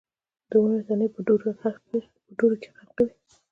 د ونو تنې په دوړو کې غرقي وې.